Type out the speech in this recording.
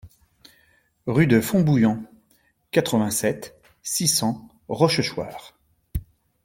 Rue de Fontbouillant, quatre-vingt-sept, six cents Rochechouart